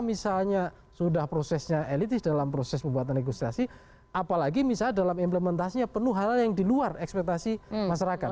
nah ini yang kadang kadang ada gap yang ketika misalnya sudah prosesnya elitis dalam proses pembuatan legislasi apalagi misalnya dalam implementasinya penuh hal yang di luar ekspektasi masyarakat